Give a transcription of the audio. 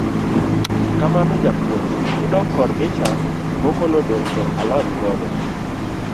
Kamano japuonj, kidok kor insha, moko modong' to alony godo.